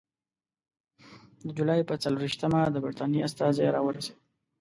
د جولای پر څلېرویشتمه د برټانیې استازی راورسېد.